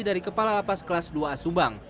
dari kepala lapas kelas dua a subang